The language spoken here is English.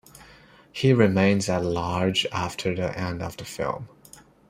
He remains at large after the end of the film.